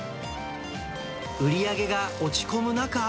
売り上げが落ち込む中。